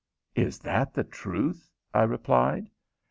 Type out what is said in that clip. "Is that the truth?" I replied.